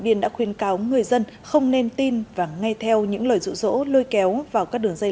biên đã khuyên cáo người dân không nên tin và nghe theo những lời rụ rỗ lôi kéo vào các đường dây